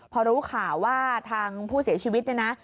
พอรู้ข่าวว่าทางผู้เสียชีวิตเนี่ยนะ